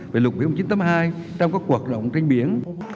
về luật biện một nghìn chín trăm tám mươi hai trong các cuộc động tranh biển